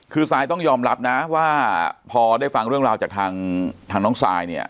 คือซายต้องยอมรับนะว่าพอได้ฟังเรื่องราวจากทางน้องซายเนี่ย